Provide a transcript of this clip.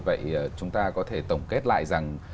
vậy chúng ta có thể tổng kết lại rằng